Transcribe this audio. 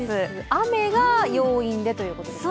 雨が要因でということですか？